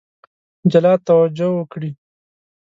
جلا توجه وکړي.